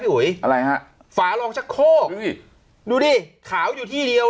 อุ๋ยอะไรฮะฝารองชักโคกอุ้ยดูดิขาวอยู่ที่เดียว